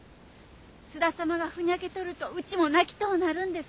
津田様がふにゃけとるとうちも泣きとうなるんです。